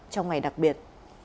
trong ngày đặc biệt